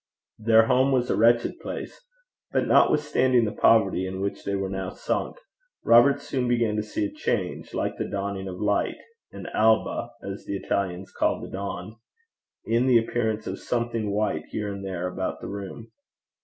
Their home was a wretched place; but notwithstanding the poverty in which they were now sunk, Robert soon began to see a change, like the dawning of light, an alba, as the Italians call the dawn, in the appearance of something white here and there about the room.